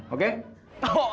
penghuni tambahan oke